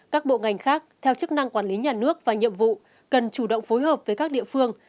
các bộ ngành khác theo chức năng quản lý nhà nước và nhiệm vụ cần chủ động phối hợp với các địa phương